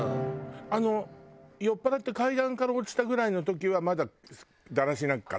あの酔っ払って階段から落ちたぐらいの時はまだだらしなかった？